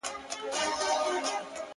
انصاف نه دی شمه وایې چي لقب د قاتِل راکړﺉ,